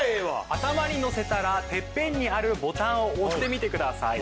頭にのせたらてっぺんにあるボタンを押してみてください。